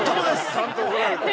◆ちゃんと怒られた。